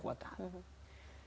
kita harus berpikir